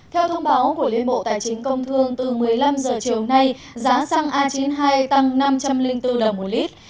theo thông báo của liên bộ tài chính công thương từ một mươi năm h chiều nay giá xăng a chín mươi hai tăng năm trăm linh bốn đồng một lít